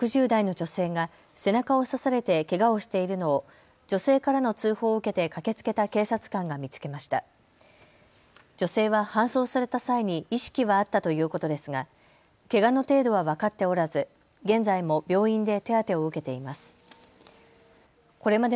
女性は搬送された際に意識はあったということですがけがの程度は分かっておらず現在も病院で手当てを受けています。